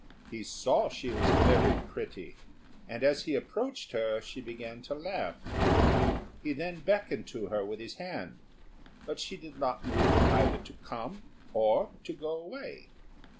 He saw she was very pretty, and as he approached her she began to laugh. He then beckoned to her with his hand; but she did not move either to come or to go away.